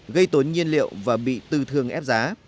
gây tốn nhiên liệu và bị tư thương ép giá